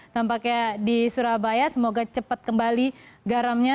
tampaknya di surabaya semoga cepat kembali garamnya